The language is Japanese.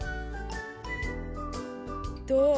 どう？